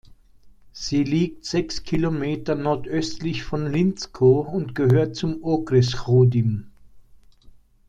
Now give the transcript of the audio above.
Sie liegt sechs Kilometer nordöstlich von Hlinsko und gehört zum Okres Chrudim.